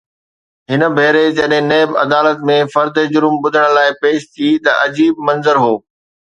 هن ڀيري جڏهن نيب عدالت ۾ فرد جرم ٻڌڻ لاءِ پيش ٿي ته عجيب منظر هو.